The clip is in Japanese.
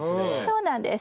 そうなんです。